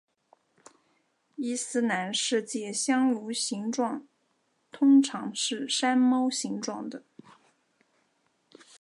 伊斯兰世界香炉形状通常是山猫形状的。